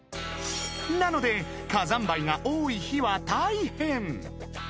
［なので火山灰が多い日は大変］